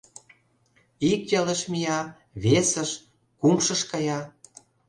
Ик ялыш мия, весыш, кумшыш кая.